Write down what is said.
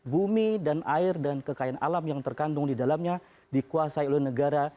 bumi dan air dan kekayaan alam yang terkandung di dalamnya dikuasai oleh negara